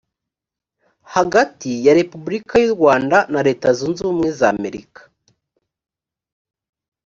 hagati ya repubulika y’u rwanda na leta zunze ubumwe z’amerika